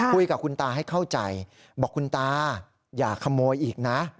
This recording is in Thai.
คุยกับคุณตาให้เข้าใจบอกคุณตาอย่าขโมยอีกนะ